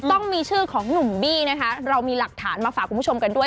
ต้องมีชื่อของหนุ่มบี้นะคะเรามีหลักฐานมาฝากคุณผู้ชมกันด้วย